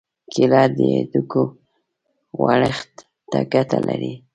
کېله د هډوکو غوړښت ته ګټه لري.